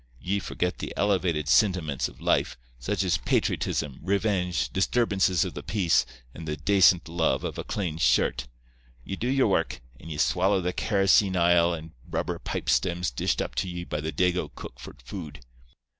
Ye forget the elevated sintiments of life, such as patriotism, revenge, disturbances of the peace and the dacint love of a clane shirt. Ye do your work, and ye swallow the kerosene ile and rubber pipestems dished up to ye by the Dago cook for food.